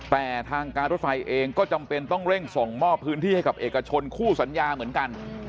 แต่ทางการรถไฟเองก็จำเป็นต้องเร่งส่งมอบพื้นที่ให้กับเอกชนคู่สัญญาเหมือนกัน